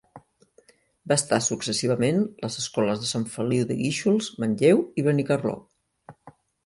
Va estar successivament les escoles de Sant Feliu de Guíxols, Manlleu i Benicarló.